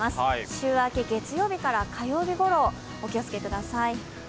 週明け月曜日から火曜日ごろお気をつけください。